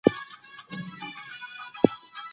د بشري قاچاق مخنیوی ګډي مبارزې ته اړتیا لري.